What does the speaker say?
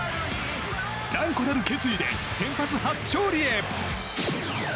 断固たる決意で先発初勝利へ。